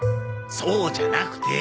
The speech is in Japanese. そうじゃなくて。